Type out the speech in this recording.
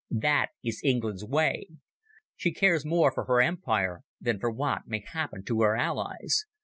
That is England's way. She cares more for her Empire than for what may happen to her allies.